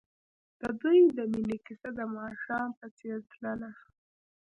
د دوی د مینې کیسه د ماښام په څېر تلله.